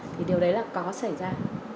thì điều đấy là có xảy ra